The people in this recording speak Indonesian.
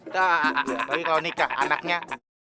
tapi kalau nikah anaknya